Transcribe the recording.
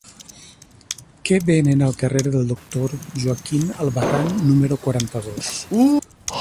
Què venen al carrer del Doctor Joaquín Albarrán número quaranta-dos?